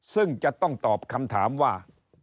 ซึ่งจะต้องตอบคำถามว่า